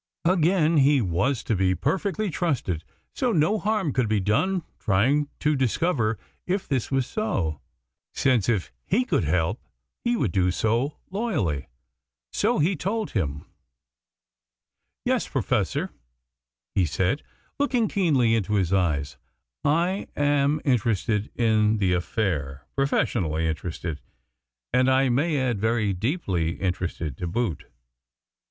Again, he was to be perfectly trusted, so no harm could be done trying to discover if this was so, since if he could help he would do so loyally. So he told him. "Yes, Professor," he said, looking keenly into his eyes, "I am interested in the affaire, professionally interested, and, I may add, very deeply interested, to boot."